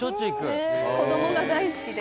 子供が大好きで。